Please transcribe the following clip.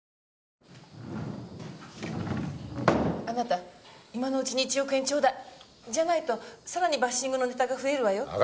あなた今のうちに１億円ちょうだい！じゃないとさらにバッシングのネタが増えるわよ。